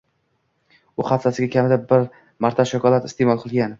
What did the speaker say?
U haftasiga kamida bir marta shokolad isteʼmol qilgan.